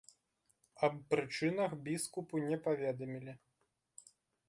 Аб прычынах біскупу не паведамілі.